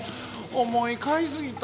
おもいかいすぎた。